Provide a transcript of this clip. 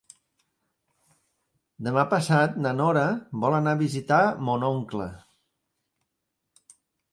Demà passat na Nora vol anar a visitar mon oncle.